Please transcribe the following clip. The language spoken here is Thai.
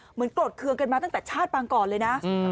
โกรธเคืองกันมาตั้งแต่ชาติปางก่อนเลยนะ